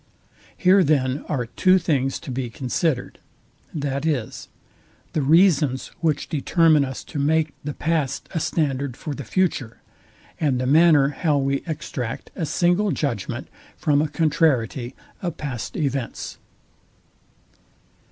Here then are two things to be considered, viz. the reasons which determine us to make the past a standard for the future, and the manner how we extract a single judgment from a contrariety of past events.